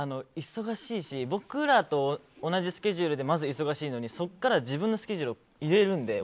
忙しいし僕らと同じスケジュールでまず忙しいのにそっから自分のスケジュールをわざと入れるので。